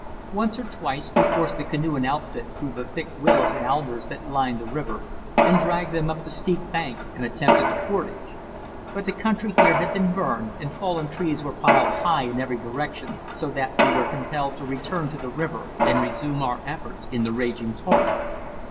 Once or twice we forced the canoe and outfit through the thick willows and alders that lined the river, and dragged them up the steep bank and attempted to portage; but the country here had been burned and fallen trees were piled high in every direction, so that we were compelled to return to the river and resume our efforts in the raging torrent.